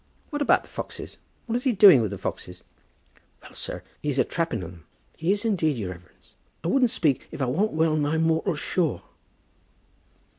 "What about the foxes? What is he doing with the foxes?" "Well, sir, he's a trapping on 'em. He is, indeed, your reverence. I wouldn't speak if I warn't well nigh mortial sure."